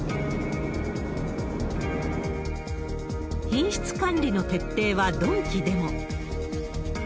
品質管理の徹底はドンキでも。